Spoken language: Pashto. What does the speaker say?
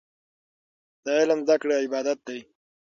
د علم زده کړه عبادت دی.